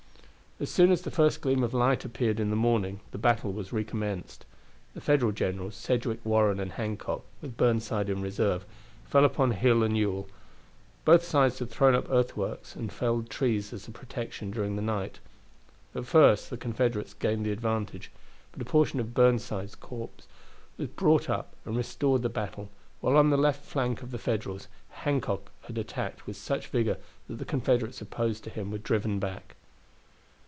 As soon as the first gleam of light appeared in the morning the battle recommenced. The Federal generals, Sedgwick, Warren, and Hancock, with Burnside in reserve, fell upon Hill and Ewell. Both sides had thrown up earthworks and felled trees as a protection during the night. At first the Confederates gained the advantage; but a portion of Burnside's corps was brought up and restored the battle, while on the left flank of the Federals Hancock had attacked with such vigor that the Confederates opposed to him were driven back.